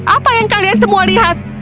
apa yang kalian semua lihat